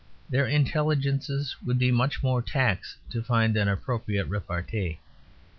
their intelligences would be much more taxed to find such an appropriate repartee.